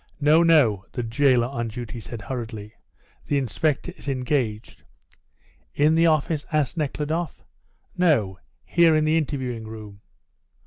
"No, no," the jailer on duty said hurriedly, "the inspector is engaged." "In the office?" asked Nekhludoff. "No, here in the interviewing room.".